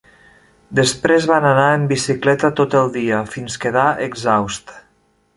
Després van anar en bicicleta tot el dia, fins quedar exhaust.